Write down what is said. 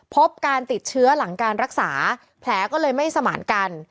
พบการติดเชื้อหลังการรักษาแผลก็เลยไม่สมานกัน